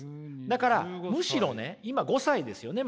だからむしろね今５歳ですよね。